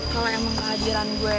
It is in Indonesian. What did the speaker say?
kalau emang kehadiran gue